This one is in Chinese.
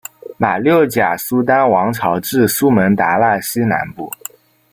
马六甲苏丹王朝至苏门答腊西南部。